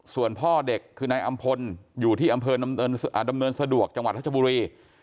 ส่วนพ่อเด็กคือนายอำพลอยู่ที่อำเภอดำเนินสะดวกจังหวัดรัชบุรี